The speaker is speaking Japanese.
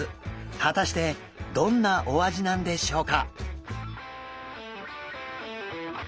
果たしてどんなお味なんでしょうか？